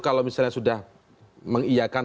kalau misalnya sudah mengiyakan